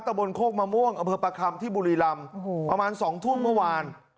บนโคกมะม่วงอำเภอประคำที่บุรีรำประมาณ๒ทุ่มเมื่อวาน